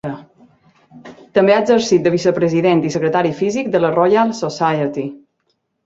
També ha exercit de vicepresident i secretari físic de la Royal Society.